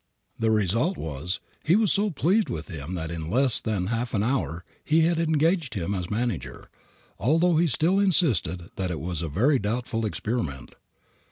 The result was, he was so pleased with him that in less than half an hour he had engaged him as manager, although he still insisted that it was a very doubtful experiment.